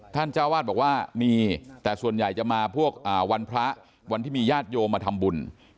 เจ้าวาดบอกว่ามีแต่ส่วนใหญ่จะมาพวกวันพระวันที่มีญาติโยมมาทำบุญ